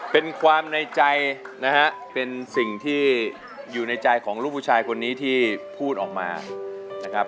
เป็นความในใจนะฮะเป็นสิ่งที่อยู่ในใจของลูกผู้ชายคนนี้ที่พูดออกมานะครับ